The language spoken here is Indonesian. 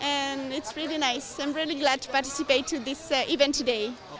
dan itu sangat bagus saya sangat senang untuk berpartisipasi di acara ini hari ini